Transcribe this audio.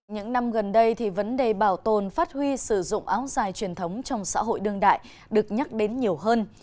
những năm gần đây thì vấn đề bảo tồn phát huy sử dụng áo dài truyền thống trong xã hội đương đại được nhắc đến nhiều hơn